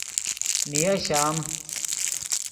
نیا شام